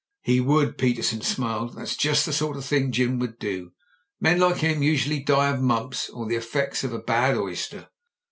"He would." Petersen smiled. "That's just the sort of thing Jim would do. Men like him usually die of mumps, or the effects of a bad oyster."